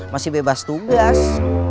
masih bebas tugas